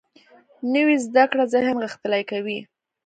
نوې زده کړه ذهن غښتلی کوي